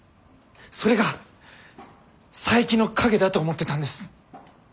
それが佐伯の影だと思ってたんです。